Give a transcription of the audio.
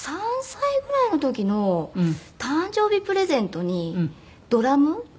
３歳ぐらいの時の誕生日プレゼントにドラム？